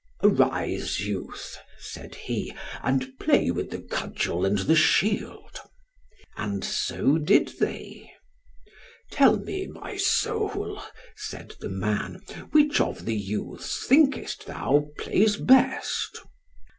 "Arise, youth," said he, "and play with the cudgel and the shield." And so did they. "Tell me, my soul," said the man, "which of the youths thinkest thou plays best?"